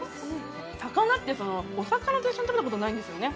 高菜ってお魚と一緒に食べたことがないんですよね。